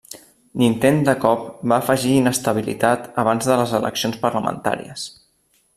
L'intent de cop va afegir inestabilitat abans de les eleccions parlamentàries.